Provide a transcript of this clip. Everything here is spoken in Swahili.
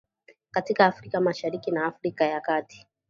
katika Afrika Mashariki na Afrika ya kati